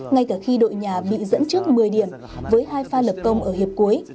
ngay cả khi đội nhà bị dẫn trước một mươi điểm với hai pha lập công ở hiệp cuối